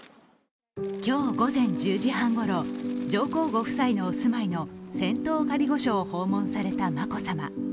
今日午前１０時半ごろ、上皇ご夫妻のお住まいの仙洞仮御所を訪問された眞子さま。